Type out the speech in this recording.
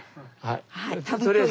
はい。